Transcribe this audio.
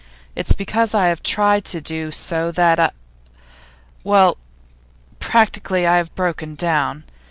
It's because I have tried to do so that well, practically, I have broken down.